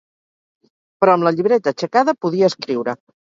Però amb la llibreta aixecada podia escriure.